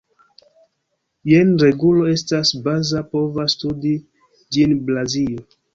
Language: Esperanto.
Jen regulo estas baza, povas studi ĝin Blazio.